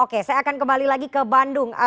oke saya akan kembali lagi ke bandung